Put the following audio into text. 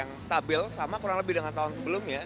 yang stabil sama kurang lebih dengan tahun sebelumnya